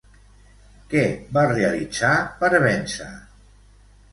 Què va realitzar per vèncer?